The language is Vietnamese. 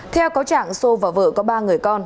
theo cáo trạng sô và vợ có ba người con